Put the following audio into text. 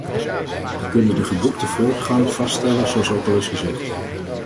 We kunnen de geboekte voortgang vaststellen, zoals ook al is gezegd.